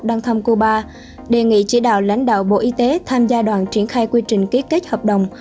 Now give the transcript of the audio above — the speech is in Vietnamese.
đăng thăm cuba đề nghị chỉ đạo lãnh đạo bộ y tế tham gia đoàn triển khai quy trình ký kết hợp đồng